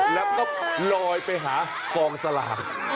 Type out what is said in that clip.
แล้วก็ลอยไปหากองสลาก